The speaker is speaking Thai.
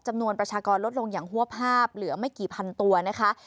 จำนวนประชากรลดลงอย่างหัวภาพเหลือไม่กี่พันตัวนะคะ